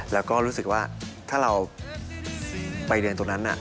แล้วก็รู้สึกว่าถ้าเราไปเรียนตรงนั้น